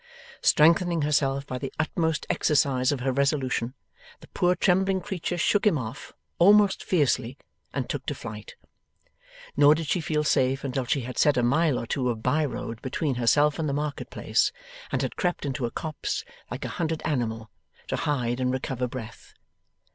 Strengthening herself by the utmost exercise of her resolution, the poor trembling creature shook him off, almost fiercely, and took to flight. Nor did she feel safe until she had set a mile or two of by road between herself and the marketplace, and had crept into a copse, like a hunted animal, to hide and recover breath.